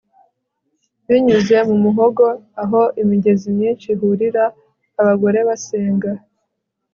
binyuze mu muhogo aho imigezi myinshi ihurira, abagore basenga